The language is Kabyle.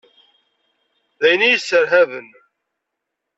D ayen i y-isserhaben.